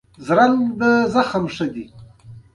هغه هغې ته د موزون کوڅه ګلان ډالۍ هم کړل.